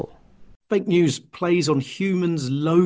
berita palsu memakai kebenaran kebenaran manusia